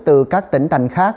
từ các tỉnh thành khác